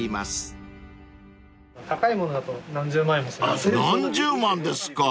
高いものだと何十万円も。［何十万ですか］